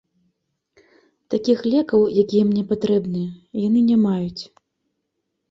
Такіх лекаў, якія мне патрэбныя, яны не маюць.